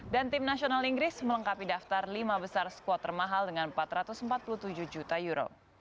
dan tim nasional inggris melengkapi daftar lima besar skuad termahal dengan empat ratus empat puluh tujuh juta euro